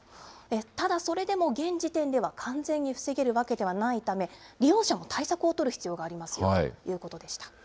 ただそれでも、現時点では完全に防げるわけではないため、利用者を対策を取る必要があるということでした。